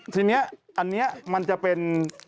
ทีนี้อันนี้มันจะเป็น